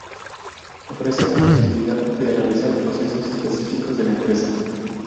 Ofrece la posibilidad de realizar procesos específicos de la empresa.